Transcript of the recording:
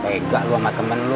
tidak sama temen lu